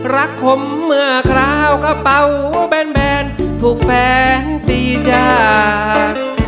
คมเมื่อคราวกระเป๋าแบนถูกแฟนตีจาก